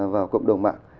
vào cộng đồng mạng